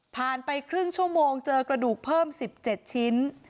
ไปครึ่งชั่วโมงเจอกระดูกเพิ่ม๑๗ชิ้น